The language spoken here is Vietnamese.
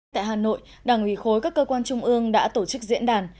tại hà nội đảng ủy khối các cơ quan trung ương đã tổ chức diễn đàn